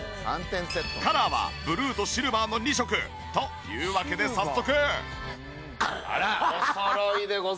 カラーはブルーとシルバーの２色。というわけで早速。